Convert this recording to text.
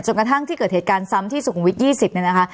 กระทั่งที่เกิดเหตุการณ์ซ้ำที่สุขุมวิท๒๐เนี่ยนะคะ